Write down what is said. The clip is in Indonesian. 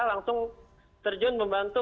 langsung terjun membantu